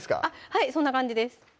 はいそんな感じです